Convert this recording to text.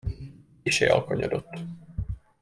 Kissé alkonyodott.